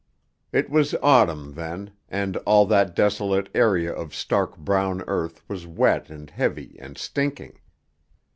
It was autumn then, and all that desolate area of stark brown earth was wet and heavy and stinking.